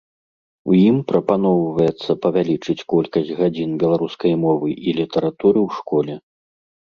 У ім прапаноўваецца павялічыць колькасць гадзін беларускай мовы і літаратуры ў школе.